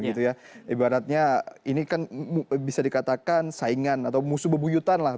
ibaratnya ini kan bisa dikatakan saingan atau musuh bebuyutan lah